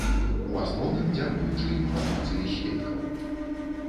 У асноўным дзякуючы інфармацыі сведкаў.